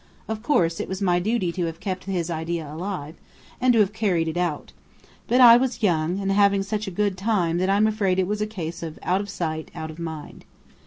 Of course, it was my duty to have kept his idea alive, and to have carried it out. But I was young and having such a good time that I'm afraid it was a case of "out of sight, out of mind."